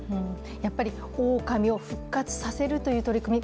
やっぱりおおかみを復活させるという取り組み